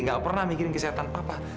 gak pernah mikirin kesehatan papa